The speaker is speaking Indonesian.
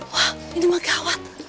wah ini mah gawat